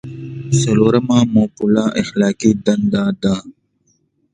څلورمه مولفه اخلاقي دنده ده.